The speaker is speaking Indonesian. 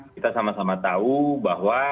kita sama sama tahu bahwa